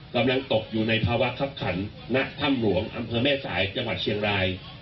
กำลังตกอยู่ในภาวะคับขันณถ้ำหลวงอำเภอแม่สายจังหวัดเชียงราย